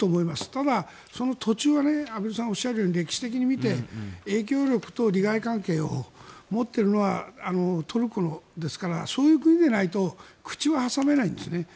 ただ、その途中は畔蒜さんがおっしゃるように歴史的に見て、影響力と利害関係を持っているのはトルコですからそういう国でないと口を挟めないんですね。